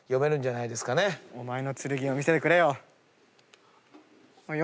お前の「剣」を見せてくれよ。